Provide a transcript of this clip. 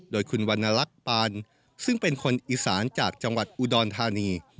โดยคุณวรรณลักษณ์ปานซึ่งเป็นคนอีสานจากจังหวัดอุดรธานี